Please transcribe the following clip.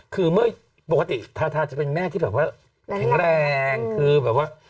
คือเมื่อปกติทาทาจะเป็นแม่ที่แบบว่าแข็งแรงคือแบบว่า